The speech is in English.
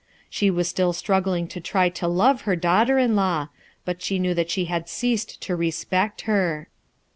She was still struggling to try to love her daughter in law, but she knew that she hat! ceased to respect her.